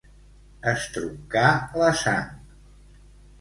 Estroncar la sang.